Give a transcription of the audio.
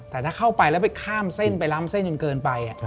แต่ถ้าเข้าไปแล้วไปข้ามเส้นไปล้ำเส้นจนเกินไป